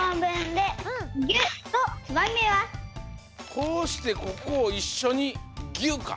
こうしてここをいっしょにギュッか。